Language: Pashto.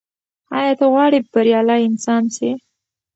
ایا ته غواړې بریالی انسان سې؟